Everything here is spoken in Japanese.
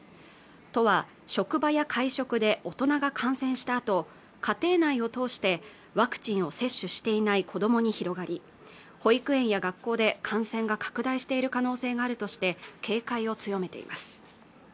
都は職場や会食で大人が感染したあと家庭内を通してワクチンを接種していない子供に広がり保育園や学校で感染が拡大している可能性があるとして警戒を強めています